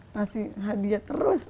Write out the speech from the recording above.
kasih hadiah terus